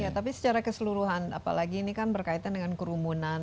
tapi secara keseluruhan apalagi ini kan berkaitan dengan kerumunan